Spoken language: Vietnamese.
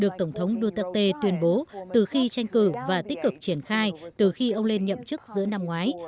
được tổng thống duterte tuyên bố từ khi tranh cử và tích cực triển khai từ khi ông lên nhậm chức giữa năm ngoái